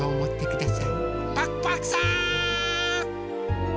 パクパクさん！